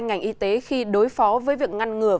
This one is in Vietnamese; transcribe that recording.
ngành y tế khi đối phó với việc ngăn ngừa